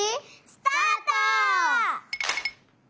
スタート！